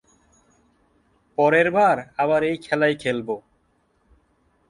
পরের বার আবার এই খেলাই খেলবো।